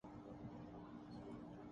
اس اندیشے سے ایک بنیادی مسئلہ جنم لے رہاہے۔